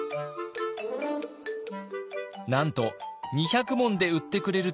なんと２００文で売ってくれるとまさかの値下げ！